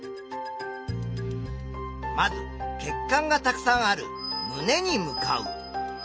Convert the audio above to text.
まず血管がたくさんある胸に向かう。